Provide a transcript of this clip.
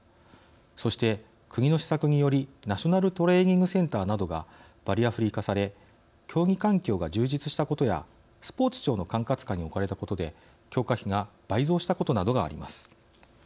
そして、国の施策によりナショナルトレーニングセンターなどがバリアフリー化され競技環境が充実したことやスポーツ庁の管轄下に置かれたことで強化費が倍増したことなどがあります。